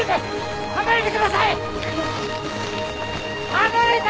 離れて！